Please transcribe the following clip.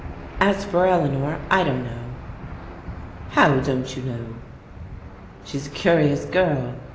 "As for Eleanor — ^I don't know. How don't you know ?" She's a curious girl.